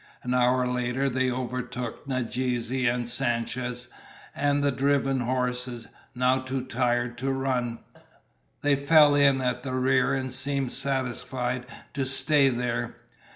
An hour later they overtook Nadeze and Sanchez, and the driven horses, now too tired to run. They fell in at the rear and seemed satisfied to stay there.